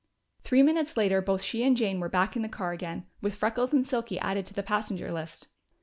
Three minutes later both she and Jane were back in the car again, with Freckles and Silky added to the passenger list.